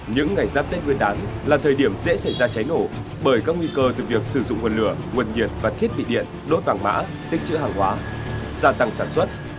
những ngày giáp tết nguyên đán là thời điểm dễ xảy ra cháy nổ bởi các nguy cơ từ việc sử dụng nguồn lửa nguồn nhiệt và thiết bị điện đốt vàng mã tích chữ hàng hóa gia tăng sản xuất